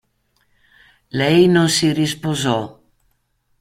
Lei non si risposò.